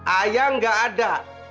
ayah enggak ada